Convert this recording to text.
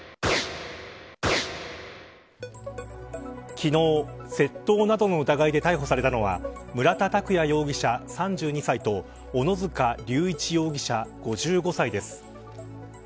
昨日、窃盗などの疑いで逮捕されたのは村田拓也容疑者３２歳と小野塚隆一容疑者５５歳です。